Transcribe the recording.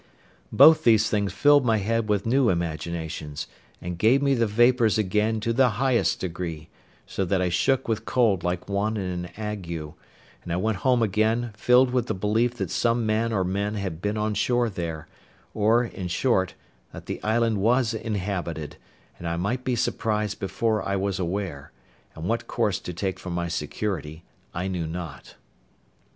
Both these things filled my head with new imaginations, and gave me the vapours again to the highest degree, so that I shook with cold like one in an ague; and I went home again, filled with the belief that some man or men had been on shore there; or, in short, that the island was inhabited, and I might be surprised before I was aware; and what course to take for my security I knew not.